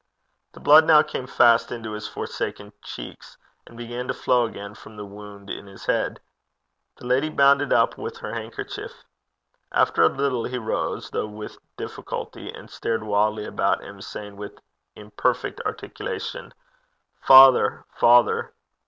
The blood now came fast into his forsaken cheeks, and began to flow again from the wound in his head. The lady bound it up with her handkerchief. After a little he rose, though with difficulty, and stared wildly about him, saying, with imperfect articulation, 'Father! father!'